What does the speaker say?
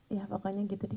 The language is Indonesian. ya pokoknya gitu deh